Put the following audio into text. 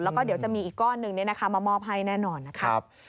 แล้วก็เดี๋ยวจะมีอีกก้อนหนึ่งมามอบให้แน่นอนนะครับ